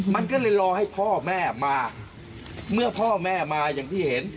มันก็เลยรอให้พ่อแม่มาเมื่อพ่อแม่มาอย่างที่เห็น